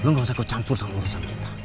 lo gak usah kau campur sama urusan kita